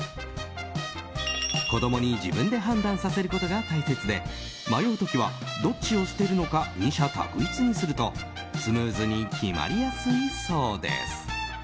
子供に自分で判断させることが大切で迷う時はどっちを捨てるのか二者択一にするとスムーズに決まりやすいそうです。